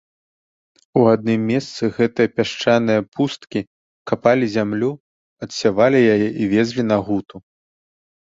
У адным месцы гэтае пясчанае пусткі капалі зямлю, адсявалі яе і везлі на гуту.